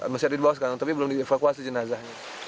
masih ada di bawah sekarang tapi belum dievakuasi jenazahnya